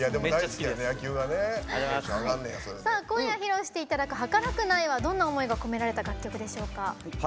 今夜、披露していただく「儚くない」はどんな思いが込められた楽曲でしょうか？